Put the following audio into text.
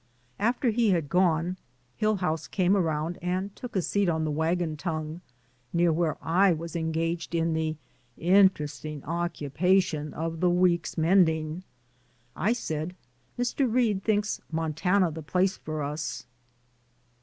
After he had gone, Hillhouse came around and took a seat on the wagon tongue, near where I was engaged in the interesting occu pation of the week's mending. I said, ''Mr. Read thinks Montana the place for us."